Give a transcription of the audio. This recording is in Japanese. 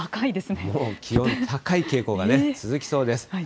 もう気温、高い傾向がね、続きそうです。